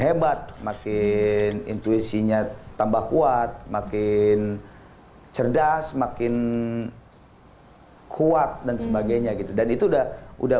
hebat makin intuisinya tambah kuat makin cerdas makin kuat dan sebagainya gitu dan itu udah udah